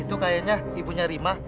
itu kayaknya ibunya rimah